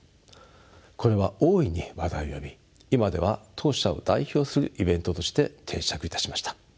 これは大いに話題を呼び今では当社を代表するイベントとして定着いたしました。